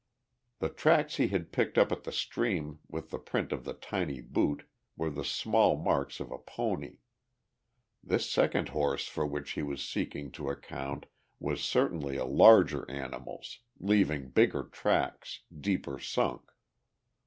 The tracks he had picked up at the stream with the print of the tiny boot were the small marks of a pony. This second horse for which he was seeking to account was certainly a larger animal, leaving bigger tracks, deeper sunk.